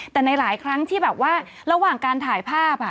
แต่ในหลายครั้งที่แบบว่าระหว่างการถ่ายภาพ